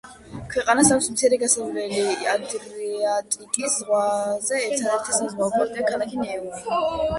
ქვეყანას აქვს მცირე გასასვლელი ადრიატიკის ზღვაზე, ერთადერთი საზღვაო პორტია ქალაქი ნეუმი.